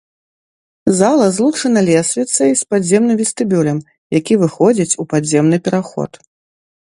Зала злучана лесвіцай з падземным вестыбюлем, які выходзіць у падземны пераход.